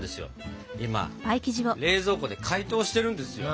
今冷蔵庫で解凍してるんですよ。